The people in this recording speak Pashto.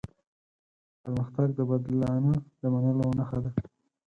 پرمختګ د بدلانه د منلو نښه ده.